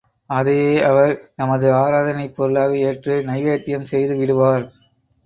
அதையே அவர் நமது ஆராதனைப் பொருளாக ஏற்று நைவேத்தியம் செய்து விடுவார்.